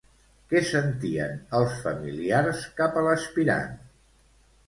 Què sentien els familiars cap a l'aspirant?